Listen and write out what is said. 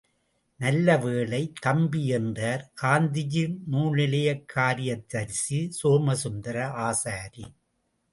நல்லவேளை, தம்பி என்றார் காந்திஜி நூல் நிலையக் காரியதரிசி சோமசுந்தர ஆசாரி.